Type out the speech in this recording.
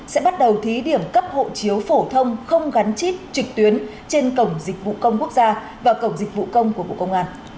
sẽ bắt đầu thí điểm cấp hộ chiếu phổ thông không gắn chip trực tuyến trên cổng dịch vụ công quốc gia và cổng dịch vụ công của bộ công an